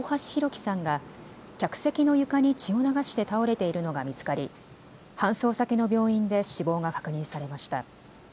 輝さんが客席の床に血を流して倒れているのが見つかり搬送先の病院で死亡が確認されました。